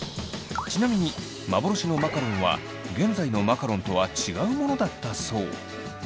ちなみに幻のマカロンは現在のマカロンとは違うものだったそう。